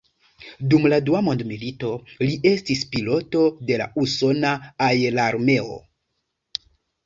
Dum la Dua Mondmilito li estis piloto de la usona aerarmeo.